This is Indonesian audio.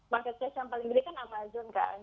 market place yang paling gede kan amazon kan